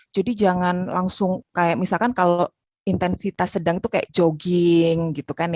jadi jangan langsung misalkan kalau intensitas sedang itu kayak jogging